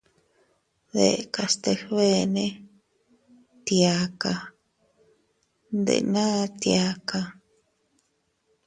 Dekas teg beene, tiaka, ndena tiaka.